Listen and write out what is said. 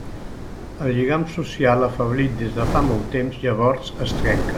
El lligam social afeblit des de fa molt de temps llavors es trenca.